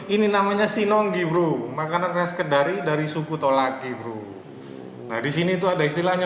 ini namanya sinonggi bro makanan resket dari dari suku tolaki bro nah di sini itu ada istilahnya